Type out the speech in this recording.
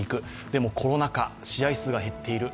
でもコロナ禍、試合数が減っている。